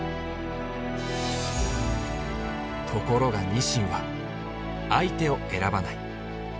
ところがニシンは相手を選ばない。